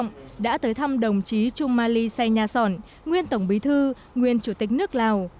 nguyễn phú trọng đã tới thăm đồng chí trung mali say nha sòn nguyên tổng bí thư nguyên chủ tịch nước lào